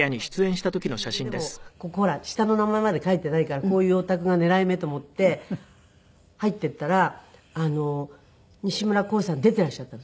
それででもここほら下の名前まで書いていないからこういうお宅が狙い目と思って入っていったら西村晃さん出ていらっしゃったんです。